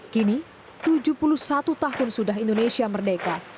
kini tujuh puluh satu tahun sudah indonesia merdeka